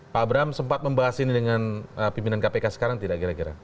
pak abraham sempat membahas ini dengan pimpinan kpk sekarang tidak kira kira